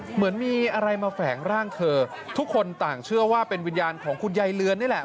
เหมือนมีอะไรมาแฝงร่างเธอทุกคนต่างเชื่อว่าเป็นวิญญาณของคุณยายเรือนนี่แหละ